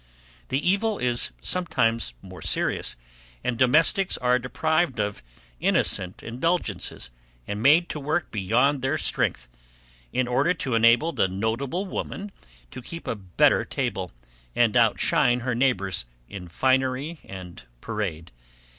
The evil is sometimes more serious, and domestics are deprived of innocent indulgences, and made to work beyond their strength, in order to enable the notable woman to keep a better table, and outshine her neighbours in finery and parade.